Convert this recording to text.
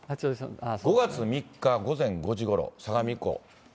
５月３日午前５時ごろ、相模湖。